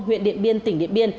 huyện điện biên tỉnh điện biên